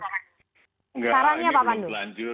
sarannya pak pandu